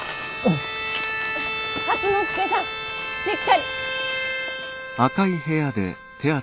初之助さんしっかり。